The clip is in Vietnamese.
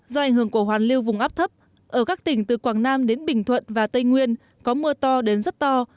do ảnh hưởng của hoàn lưu vùng áp thấp ở các tỉnh từ quảng nam đến bình thuận và tây nguyên có mưa to đến rất to